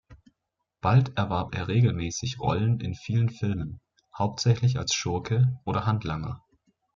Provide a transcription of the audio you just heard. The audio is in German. Bald erwarb er regelmäßig Rollen in vielen Filmen, hauptsächlich als Schurke oder Handlanger.